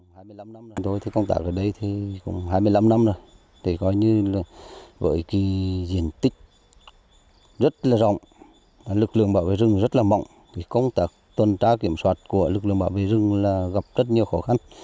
quảng bình là địa phương có diện tích đất có rất nhiều khó khăn do diện tích đất có rất nhiều khó khăn